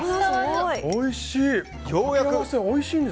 おいしい。